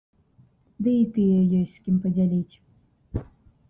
Ды і тыя ёсць з кім падзяліць.